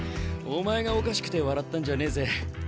お前がおかしくて笑ったんじゃねえぜ。